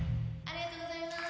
ありがとうございます。